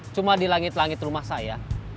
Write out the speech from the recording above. cuma di langit langit rumah saya